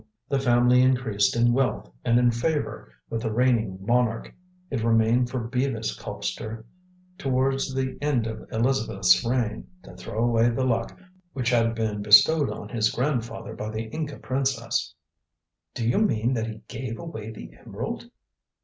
The family increased in wealth and in favour with the reigning monarch. It remained for Bevis Colpster, towards the end of Elizabeth's reign, to throw away the luck which had been bestowed on his grandfather by the Inca princess." "Do you mean that he gave away the emerald?"